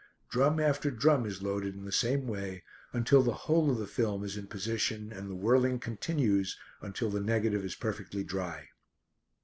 Drum after drum is loaded in the same way, until the whole of the film is in position and the whirling continues until the negative is perfectly dry.